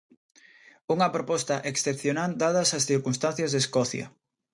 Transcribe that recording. Unha proposta "excepcional" dadas as circunstancias de Escocia.